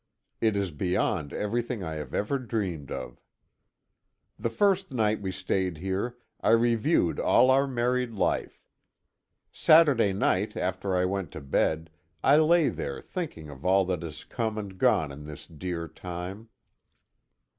It is beyond everything I have ever dreamed of. The first night we stayed here, I reviewed all our married life. Saturday night, after I went to bed, I lay there thinking of all that has come and gone in this dear time.